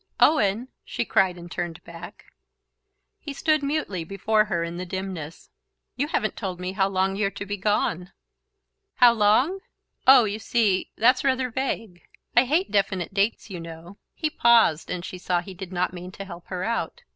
"Owen!" she cried, and turned back. He stood mutely before her in the dimness. "You haven't told me how long you're to be gone." "How long? Oh, you see ... that's rather vague...I hate definite dates, you know..." He paused and she saw he did not mean to help her out.